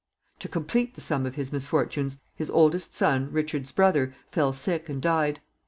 To complete the sum of his misfortunes, his oldest son, Richard's brother, fell sick and died.